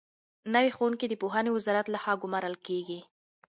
نوي ښوونکي د پوهنې وزارت لخوا ګومارل کېږي.